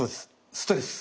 ストレス。